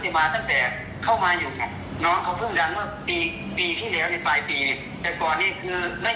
เป็นโซเชียลที่นอนแต่สายอินดีผมเป็นวิธีคิดแบบผมนะครับ